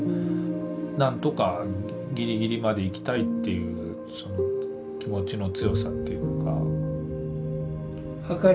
「なんとかギリギリまで行きたい」っていうその気持ちの強さっていうか。